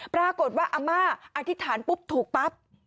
ปรากฏว่าอาม่าอธิษฐานปุ๊บถูกปั๊บ